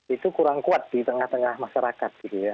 itu kurang kuat di tengah tengah masyarakat gitu ya